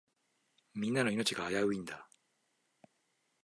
みんなの命が危ういんだ。